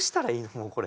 もうこれ。